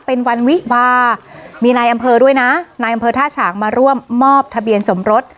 เป็นวันวิบามีนายอำเภอด้วยนะนายอำเภอท่าฉางมาร่วมมอบทะเบียนสมรส